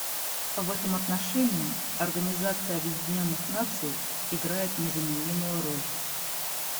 В этом отношении Организация Объединенных Наций играет незаменимую роль.